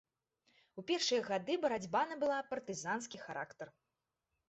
У першыя гады барацьба набыла партызанскі характар.